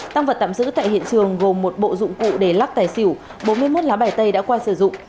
tăng vật tạm giữ tại hiện trường gồm một bộ dụng cụ để lắc tài xỉu bốn mươi một lá bài tay đã qua sử dụng